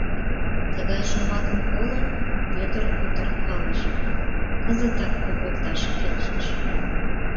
Тыгай шомакым колын, Пӧтыр утыр ылыже, кызытак ургыкташ келшыш.